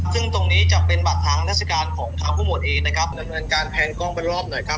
หรือเป็นุญการเพลงกล้องบริเวณแรก